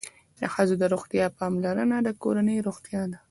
د ښځو د روغتیا پاملرنه د کورنۍ روغتیا ده.